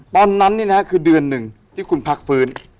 ตอนนั้นนี่นะครับคือเดือนหนึ่งที่คุณพักฟื้น